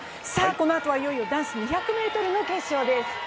このあとはいよいよ男子２００ｍの決勝です。